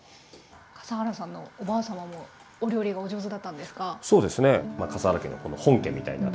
笠原さんのおばあさまもお料理がお上手だったんですか？